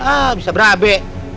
ah bisa berabe